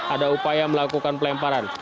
ada upaya melakukan pelemparan